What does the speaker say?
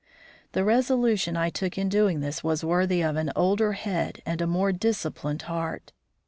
The resolution I took in doing this was worthy of an older head and a more disciplined heart.